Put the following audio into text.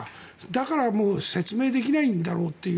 だからもう説明できないんだろうという。